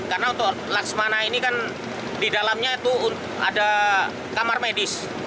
karena untuk laksmana ini kan di dalamnya itu ada kamar medis